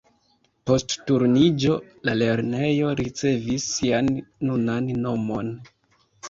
Post Turniĝo la lernejo ricevis sian nunan nomon.